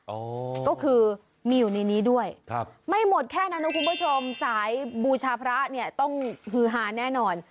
เออก็คือมีอยู่ในนี้ด้วยไม่หมดแค่นั้นคุณผู้ชมสายบูชาพระต้องขือหาแน่นอน